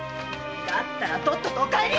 だったらとっととお帰り！